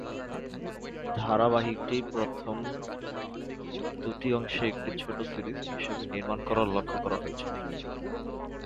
ধারাবাহিকটি প্রথমে দুটি অংশে একটি ছোট সিরিজ হিসাবে নির্মাণ করার লক্ষ্য করা হয়েছিল।